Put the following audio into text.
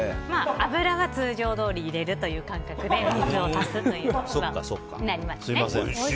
油は通常どおり入れるという感覚で水を足すということになりますね。